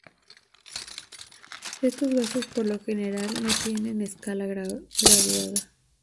Estos vasos por lo general no tienen escala graduada.